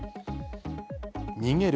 逃げる